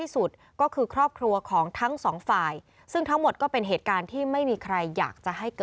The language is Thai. สวัสดีครับ